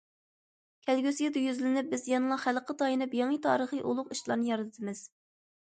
كەلگۈسىگە يۈزلىنىپ، بىز يەنىلا خەلققە تايىنىپ يېڭى تارىخىي ئۇلۇغ ئىشلارنى يارىتىمىز.